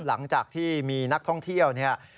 หลังจากที่มีนักท่องเที่ยวเนี่ย